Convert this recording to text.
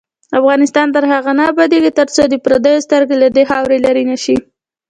افغانستان تر هغو نه ابادیږي، ترڅو د پردیو سترګې له دې خاورې لرې نشي.